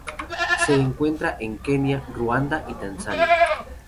Se encuentra en Kenia, Ruanda y Tanzania.